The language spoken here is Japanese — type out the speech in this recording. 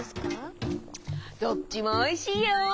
どっちもおいしいよ！